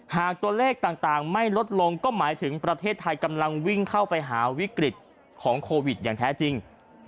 หากตัวเลขต่างไม่ลดลงก็หมายถึงประเทศไทยกำลังวิ่งเข้าไปหาวิกฤตของโควิดอย่างแท้จริง